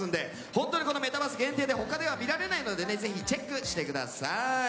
本当にこのメタバース限定で他では見られないのでぜひチェックしてください。